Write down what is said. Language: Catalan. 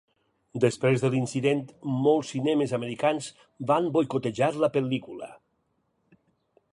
Després de l'incident molts cinemes americans van boicotejar la pel·lícula.